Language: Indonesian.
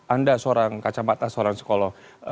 anda seorang kacamata seorang psikolog